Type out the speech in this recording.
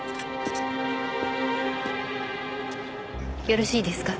よろしいですか？